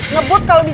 ngebut kalau bisa